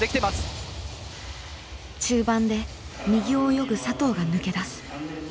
中盤で右を泳ぐ佐藤が抜け出す。